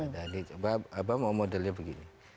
jadi coba abang mau modelnya begini